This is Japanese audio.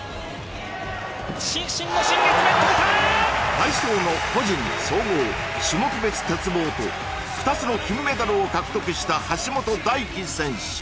体操の個人総合種目別鉄棒と２つの金メダルを獲得した橋本大輝選手